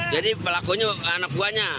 jadi pelakunya anak buahnya